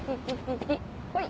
ほい。